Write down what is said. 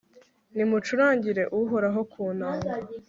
nimucurangire uhoraho ku nanga